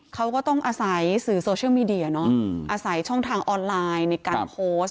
เขาก็ต้องอาศัยสื่อโซเชียลมีเดียเนอะอาศัยช่องทางออนไลน์ในการโพสต์